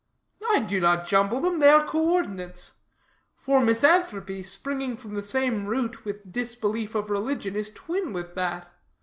"I do not jumble them; they are coordinates. For misanthropy, springing from the same root with disbelief of religion, is twin with that.